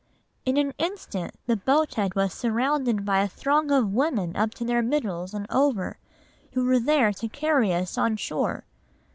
"In an instant the boathead was surrounded by a throng of women up to their middles and over, who were there to carry us on shore.